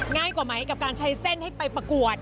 ง่ายกว่าไหมกับการใช้เส้นให้ไปประกวด